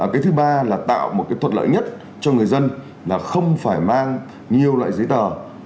cái thứ ba là tạo một thuận lợi nhất cho người dân là không phải mang nhiều loại giấy tờ